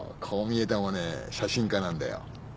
こう見えてもね写真家なんだよ。